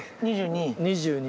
２２？２２。